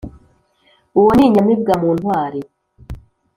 Uwo ni inyamibwa mu ntwari